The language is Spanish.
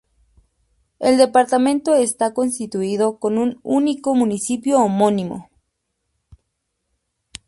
El departamento está constituido con un único municipio homónimo.